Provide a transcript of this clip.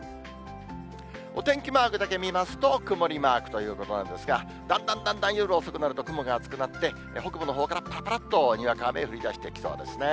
お天気マークだけ見ますと、曇りマークということなんですが、だんだんだんだん夜遅くなると雲が厚くなって、北部のほうからぱらぱらっとにわか雨が降りだしてきそうですね。